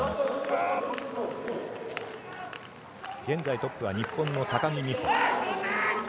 現在トップは日本の高木美帆。